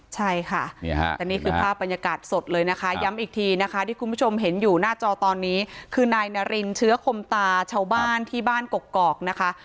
ใช่ค่ะแต่นี่คือภาพบรรยากาศสดเลยนะคะย้ำอีกทีนะคะที่คุณผู้ชมเห็นอยู่หน้าจอตอนนี้คือนายนารินเชื้อคมตาชาวบ้านที่บ้านกกอกนะคะ